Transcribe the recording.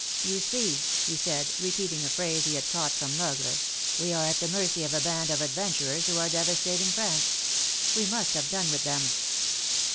' You see," he said, repeating a phrase he had caught from Logre, we are at the mercy of a band of adventurers who are devastating France. We must have done with them